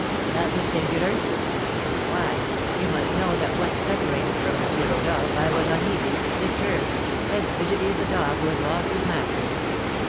"That was singular!" "Why, you must know that once separated from M. Rodolph I was uneasy, disturbed, as fidgety as a dog who has lost his master.